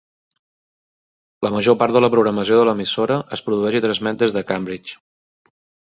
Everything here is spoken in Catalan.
La major part de la programació de l'emissora es produeix i transmet des de Cambridge.